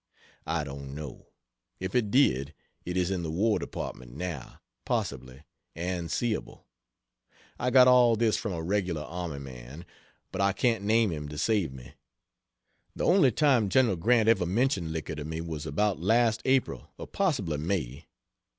I don't know. If it did, it is in the War Department now, possibly, and seeable. I got all this from a regular army man, but I can't name him to save me. The only time General Grant ever mentioned liquor to me was about last April or possibly May.